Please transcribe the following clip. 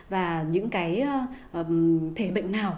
và những cái thể bệnh nào